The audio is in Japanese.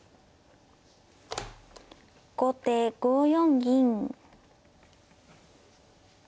後手５四銀。